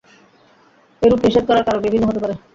এরূপ নিষেধ করার কারণ বিভিন্ন হতে পারে।